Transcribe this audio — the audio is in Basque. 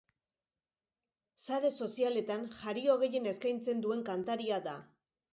Sare sozialetan jario gehien eskaintzen duen kantaria da.